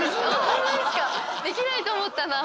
できないと思ったな。